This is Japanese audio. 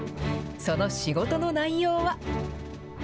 その仕事の内容は。